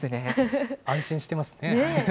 安心してますね。